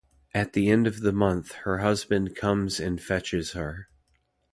At the end of the month her husband comes and fetches her.